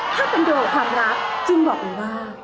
ถ้าเป็นโดยความรักจูนบอกอีกว่า